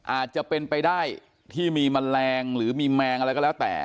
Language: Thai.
อาจจะเป็นไปได้ที่มีแมลงหรือมีแมงอะไรก็แล้วแต่